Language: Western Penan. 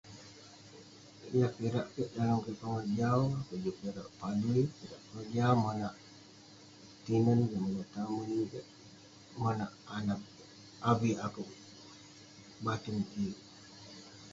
Yah kirak kik dan kik pongah jau. Akouk juk kirak padui, kirak keroja monak tinen kek, monak tamen kek, monak anag kek, avik akouk batung kik.